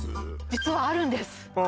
実はあるんですっ